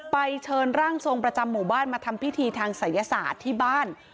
เชิญร่างทรงประจำหมู่บ้านมาทำพิธีทางศัยศาสตร์ที่บ้าน